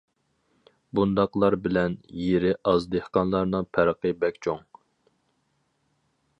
بۇنداقلار بىلەن يېرى ئاز دېھقانلارنىڭ پەرقى بەك چوڭ.